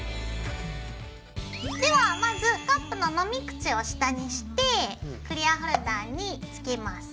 ではまずカップの飲み口を下にしてクリアホルダーにつけます。